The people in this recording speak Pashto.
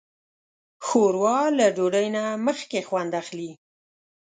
ښوروا له ډوډۍ نه مخکې خوند اخلي.